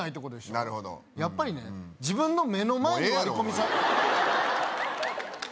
なるほどやっぱりね自分の目の前にもうええやろ！